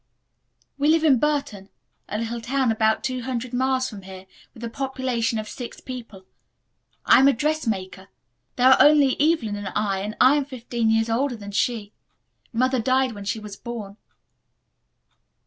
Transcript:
"We live in Burton, a little town about two hundred miles from here, with a population of six thousand people. I am a dressmaker. There are only Evelyn and I, and I am fifteen years older than she. Mother died when she was born.